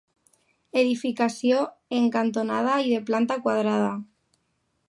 Edificació en cantonada i de planta quadrada.